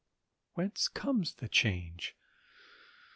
Whence comes the change?